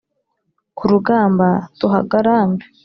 Ku rugamba tuhagarambe